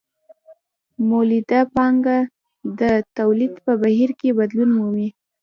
مولده پانګه د تولید په بهیر کې بدلون مومي